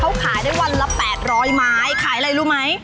เขาขายได้วันละ๘๐๐ไม้ขายอะไรรู้ไหม